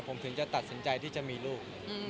ผมถึงจะตัดสินใจที่จะมีลูก